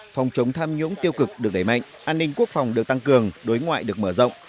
phòng chống tham nhũng tiêu cực được đẩy mạnh an ninh quốc phòng được tăng cường đối ngoại được mở rộng